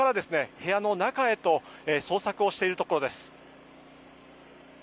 部屋の中へと捜索をしているところです。